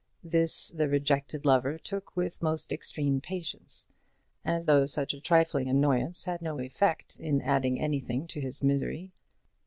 This the rejected lover took with most extreme patience, as though such a trifling annoyance had no effect in adding anything to his misery.